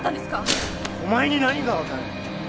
お前に何がわかる？